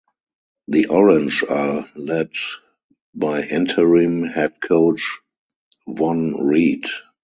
The Orange are led by interim head coach Vonn Read.